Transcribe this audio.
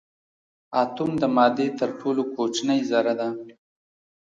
اتوم د مادې تر ټولو کوچنۍ ذره ده.